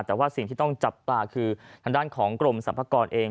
แต่ว่าสิ่งที่ต้องจับตาคือทางด้านของกรมสรรพากรเอง